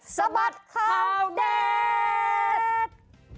สะบัดข่าวเด็ด